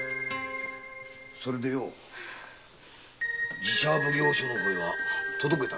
それで寺社奉行所には届けたのか？